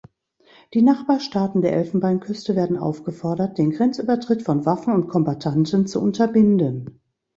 Die Nachbarstaaten der Elfenbeinküste werden aufgefordert, den Grenzübertritt von Waffen und Kombattanten zu unterbinden.